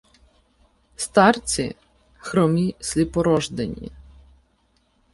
Старці хромі сліпорождені